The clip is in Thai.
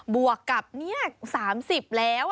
บวกกับสามสิบแล้ว